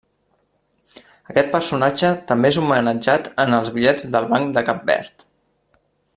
Aquest personatge també és homenatjat en els bitllets de banc de Cap Verd.